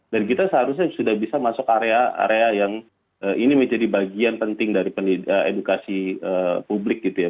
dan kita seharusnya sudah bisa masuk area area yang ini menjadi bagian penting dari pendidikan edukasi publik gitu ya